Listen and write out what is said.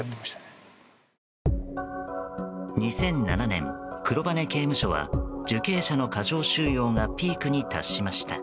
２００７年、黒羽刑務所は受刑者の過剰収容がピークに達しました。